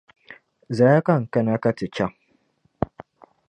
Zaya ka n kana ka ti chaŋ